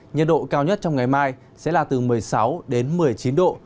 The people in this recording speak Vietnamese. nhiệt độ cao nhất trong ngày mai sẽ là từ một mươi sáu đến một mươi chín độ